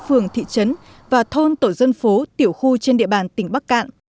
phường thị trấn và thôn tổ dân phố tiểu khu trên địa bàn tỉnh bắc cạn